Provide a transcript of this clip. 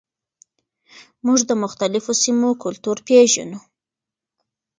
موږ د مختلفو سیمو کلتور پیژنو.